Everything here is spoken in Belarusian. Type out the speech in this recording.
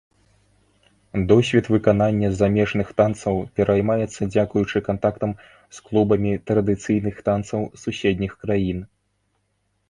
Досвед выканання замежных танцаў пераймаецца дзякуючы кантактам з клубамі традыцыйных танцаў суседніх краін.